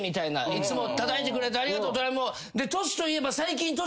いつもたたいてくれてありがとうドラムを。